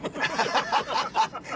ハハハハハ。